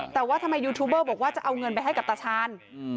แต่ว่าทำไมยูทูบเบอร์บอกว่าจะเอาเงินไปให้กับตาชาญ